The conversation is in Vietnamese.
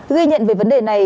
ghi nhận về vấn đề này